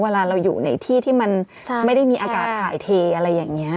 เวลาเราอยู่ในที่ที่มันไม่ได้มีอากาศถ่ายเทอะไรอย่างนี้